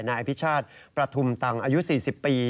นายอภิชาติประทุมตังอายุ๔๐ปี